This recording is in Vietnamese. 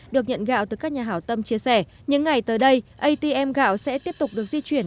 được nhận gạo từ các nhà hảo tâm chia sẻ những ngày tới đây atm gạo sẽ tiếp tục được di chuyển